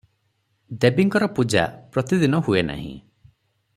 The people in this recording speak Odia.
ଦେବୀଙ୍କର ପୂଜା ପ୍ରତିଦିନ ହୁଏ ନାହିଁ ।